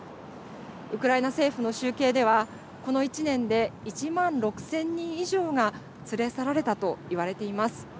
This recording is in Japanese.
ウクライナ政府の集計ではこの１年で１万６０００人以上が連れ去られたと言われています。